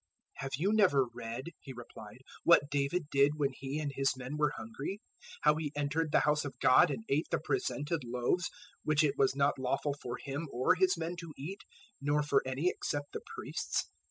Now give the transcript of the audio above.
012:003 "Have you never read," He replied, "what David did when he and his men were hungry? 012:004 how he entered the House of God and ate the Presented Loaves, which it was not lawful for him or his men to eat, nor for any except the priests?